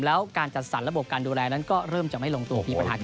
แล้วการจัดสรรระบบการดูแลนั้นก็เริ่มจะไม่ลงตัวมีปัญหาขึ้น